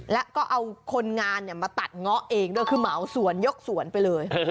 แล้วก็เอาคนงานมาตัดเงาะเองด้วยคือเหมาสวนยกสวนไปเลย